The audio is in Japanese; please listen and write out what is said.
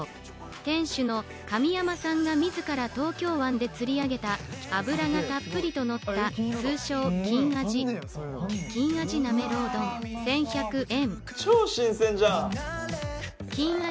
店主の神山さんが自ら東京湾で釣り上げた脂がたっぷりと乗った通称、金アジ金アジなめろう丼、１１００円。